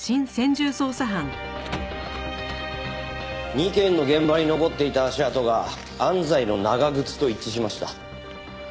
２件の現場に残っていた足跡が安西の長靴と一致しました。